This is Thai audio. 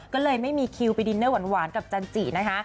ก็เลยไม่มีคิวไปดินเนอร์หวานกับจันจินะคะ